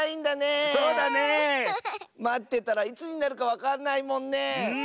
まってたらいつになるかわかんないもんねえ。